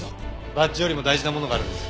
バッジよりも大事なものがあるんです。